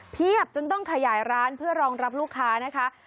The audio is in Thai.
จนต้องขยายร้านเพื่อรองรับลูกค้านะคะ